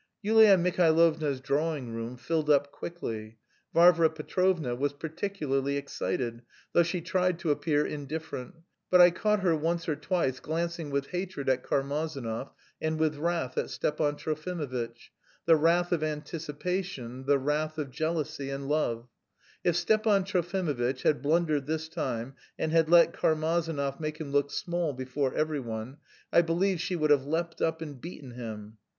Yulia Mihailovna's drawing room filled up quickly. Varvara Petrovna was particularly excited, though she tried to appear indifferent, but I caught her once or twice glancing with hatred at Karmazinov and with wrath at Stepan Trofimovitch the wrath of anticipation, the wrath of jealousy and love: if Stepan Trofimovitch had blundered this time and had let Karmazinov make him look small before every one, I believe she would have leapt up and beaten him.